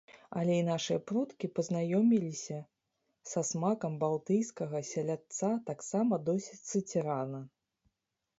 Але і нашыя продкі пазнаёміліся са смакам балтыйскага селядца таксама досыць рана.